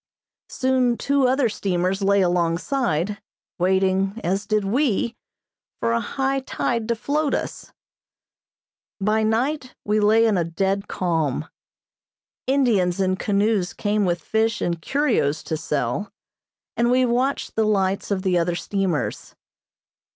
Soon two other steamers lay alongside, waiting, as did we, for a high tide to float us. By night we lay in a dead calm. Indians in canoes came with fish and curios to sell, and we watched the lights of the other steamers.